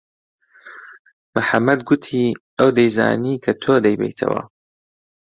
محەممەد گوتی ئەو دەیزانی کە تۆ دەیبەیتەوە.